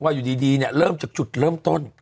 อยู่ดีเนี่ยเริ่มจากจุดเริ่มต้น